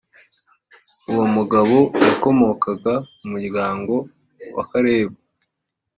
Uwo mugabo yakomokaga mu muryango wa Kalebu